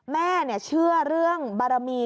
แม่เชื่อเรื่องบารมี